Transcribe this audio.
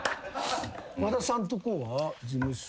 和田さんとこは事務所。